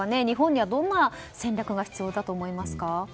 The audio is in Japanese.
日本にはどんな戦略が必要だと思いますか？